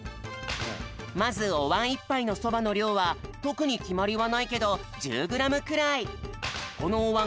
まずおわん１ぱいのそばのりょうはとくにきまりはないけど１０グラムくらい。